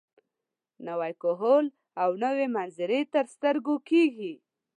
نوی کهول او نوې منظرې تر سترګو کېږي.